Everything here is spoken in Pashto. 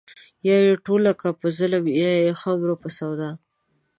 يا يې ټوله کا په ظلم يا د خُمرو په سودا